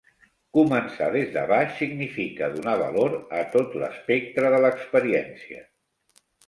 Començar des de baix significa donar valor a tot l'espectre de l'experiència.